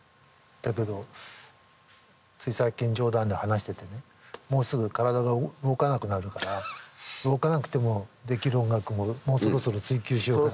だけどつい最近冗談で話しててねもうすぐ体が動かなくなるから動かなくてもできる音楽ももうそろそろ追求しようかなって。